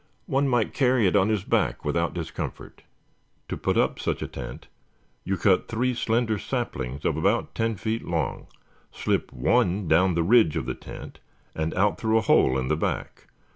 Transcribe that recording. One might carry it on his back without discomfort. To put up such a tent you cut three slender saplings of about ten feet long, slip one down the ridge of the tent and out through a hole in the back.